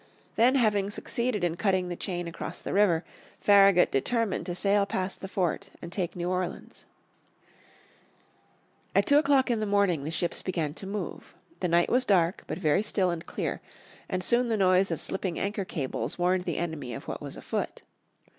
Then having succeeded in cutting the chain across the river Farragut determined to sail past the fort and take New Orleans. At two o'clock in the morning the ships began to move. The night was dark but very still and clear, and soon the noise of slipping anchor cables warned the enemy of what was afoot.